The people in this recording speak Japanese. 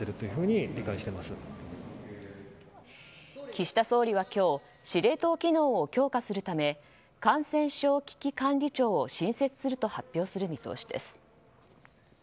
岸田総理は今日司令塔機能を強化するため感染症危機管理庁を新設すると発表する見通しです。